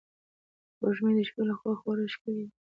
سپوږمۍ د شپې له خوا خورا ښکلی وي